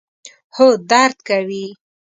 هو، درد کوي